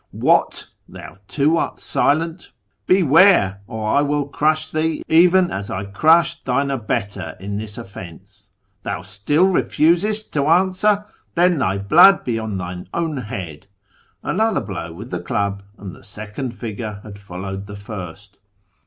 ... What ! thou too art silent ! Beware, or I will crush thee even as I crushed thine abettor in this oflence. ... Thou still refusest to answer ? Then thy blood be on thine own head !' Another blow with the club, and the second figure had followed the first.